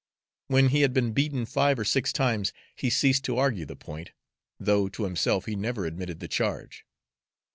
When he had been beaten five or six times, he ceased to argue the point, though to himself he never admitted the charge.